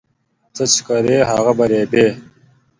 څه چې کرې هغه به ریبې